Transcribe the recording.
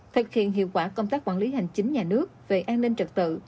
thực hiện hiệu quả công tác quản lý hành chính nhà nước về an ninh trật tự